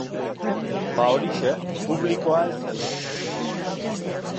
Ba horixe, publikoa ez zela.